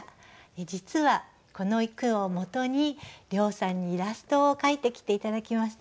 実はこの句をもとに涼さんにイラストを描いてきて頂きました。